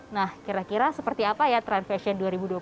nah kira kira seperti apa ya trend fashion dua ribu dua puluh satu